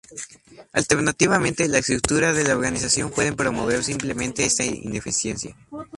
Alternativamente, la estructura de la organización puede promover simplemente esta ineficacia.